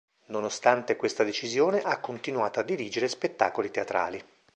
Nonostante questa decisione, ha continuato a dirigere spettacoli teatrali.